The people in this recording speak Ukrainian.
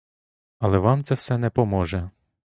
Але вам це все не поможе.